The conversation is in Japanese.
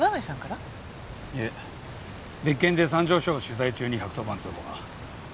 いえ別件で三条署を取材中に１１０番通報が。